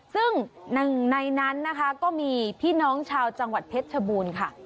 ซึ่งหนึ่งในนั้นนะคะก็มีพี่น้องชาวจังหวัดเพชรชบูรณ์ค่ะ